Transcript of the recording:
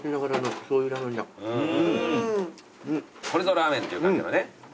これぞラーメンっていう感じのね。